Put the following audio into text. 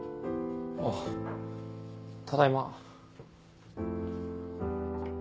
あただいま。